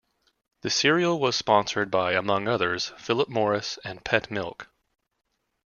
The serial was sponsored by, among others, Philip Morris and Pet Milk.